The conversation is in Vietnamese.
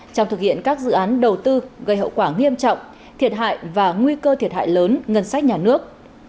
trong thực hiện các dự án đầu tư gây hậu quả nghiêm trọng thiệt hại và nguy cơ thiệt hại lớn ngân sách nhà nước